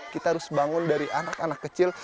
kita harus bangun dari anak anak kecil